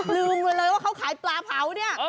ลืมไปเลยว่าเขาขายปลาเผาเนี่ย